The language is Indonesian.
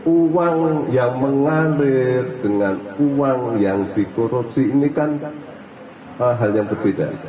uang yang mengalir dengan uang yang dikorupsi ini kan hal hal yang berbeda